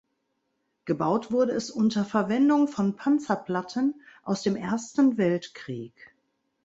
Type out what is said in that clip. Gebaut wurde es unter Verwendung von Panzerplatten aus dem Ersten Weltkrieg.